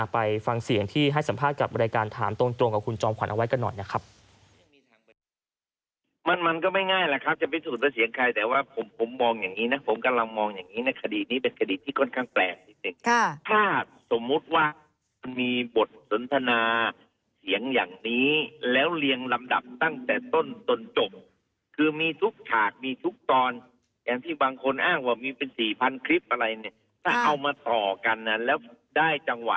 ไปฟังเสียงที่ให้สัมภาษณ์กับรายการถามตรงกับคุณจอมขวัญเอาไว้กันหน่อยนะครับ